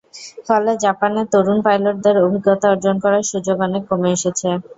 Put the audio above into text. ফলে জাপানের তরুণ পাইলটদের অভিজ্ঞতা অর্জন করার সুযোগ অনেক কমে এসেছে।